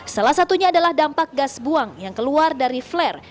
salah satunya adalah dampak gas buang yang keluar dari flare